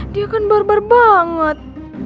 dia kan barbar banget